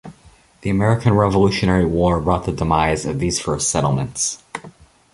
The American Revolutionary War brought the demise of these first settlements.